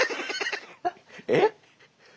えっ？